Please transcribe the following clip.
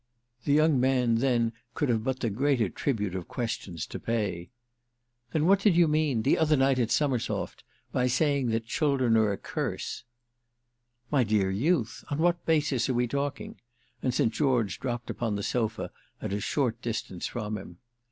The young man then could but have the greater tribute of questions to pay. "Then what did you mean—the other night at Summersoft—by saying that children are a curse?" "My dear youth, on what basis are we talking?" and St. George dropped upon the sofa at a short distance from him.